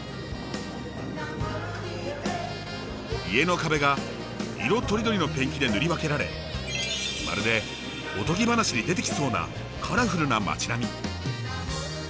家の壁が色とりどりのペンキで塗り分けられまるでおとぎ話に出てきそうなカラフルな町並み。